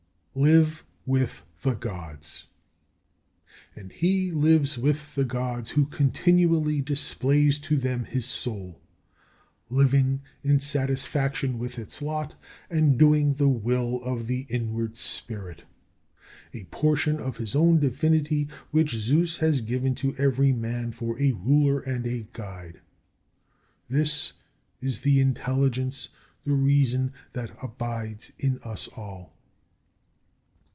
27. Live with the Gods. And he lives with the Gods who continually displays to them his soul, living in satisfaction with its lot, and doing the will of the inward spirit, a portion of his own divinity which Zeus has given to every man for a ruler and a guide. This is the intelligence, the reason that abides in us all.